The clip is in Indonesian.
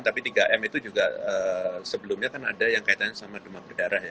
tapi tiga m itu juga sebelumnya kan ada yang kaitannya sama demam berdarah ya